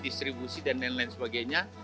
distribusi dan lain lain sebagainya